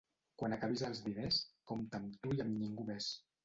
Quan acabis els diners, compta amb tu i amb ningú més.